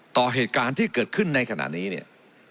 ต่อเหตุการณ์ที่เกิดขึ้นในขณะนี้เนี่ย